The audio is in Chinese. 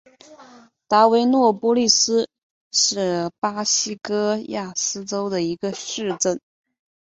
达维诺波利斯是巴西戈亚斯州的一个市镇。